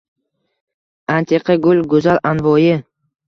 Antiqa gul! Go‘zal! Anvoyi!